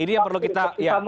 ini yang perlu kita